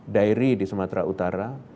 daeri di sumatera utara